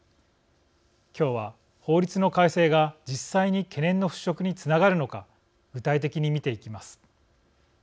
今日は、法律の改正が実際に懸念の払拭につながるのか具体的に見ていきます。